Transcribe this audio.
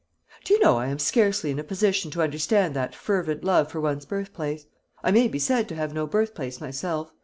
"Do you know, I am scarcely in a position to understand that fervent love for one's birthplace. I may be said to have no birthplace myself.